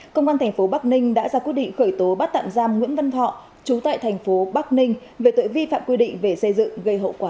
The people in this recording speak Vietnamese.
công an tp bắc ninh đã ra quyết định khởi tố bắt tạm giam nguyễn văn thọ chú tại thành phố bắc ninh về tội vi phạm quy định về xây dựng gây hậu quả